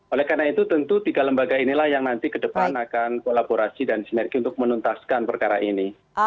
oleh karena itu tentu tiga lembaga inilah yang nanti ke depan akan kolaborasi dan sinergi untuk menuntaskan perkara ini